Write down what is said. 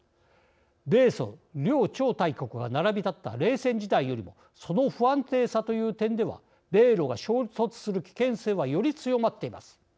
米ソ両超大国が並び立った冷戦時代よりもその不安定さという点では米ロが衝突する危険性はより強まっています。